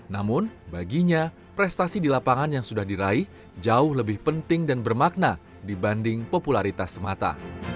namun baginya prestasi di lapangan yang sudah diraih jauh lebih penting dan bermakna dibanding popularitas semata